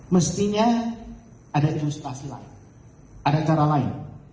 mestinya ada ilustrasi lain ada cara lain